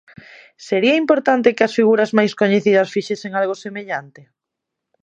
Sería importante que as figuras máis coñecidas fixesen algo semellante?